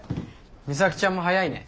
美咲ちゃんも早いね。